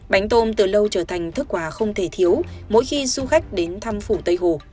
bánh tôm từ lâu trở thành thức quà không thể thiếu mỗi khi du khách đến thăm phủ tây hồ